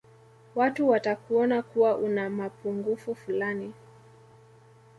watu watakuona kuwa una mapungufu fulani